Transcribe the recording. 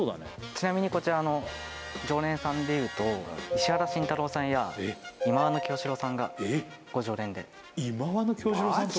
ちなみにこちら常連さんで言うと石原慎太郎さんや忌野清志郎さんがご常連で忌野清志郎さん？